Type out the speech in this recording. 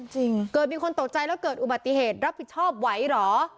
จริงเกิดมีคนตกใจแล้วเกิดอุบัติเหตุรับผิดชอบไหวเหรอ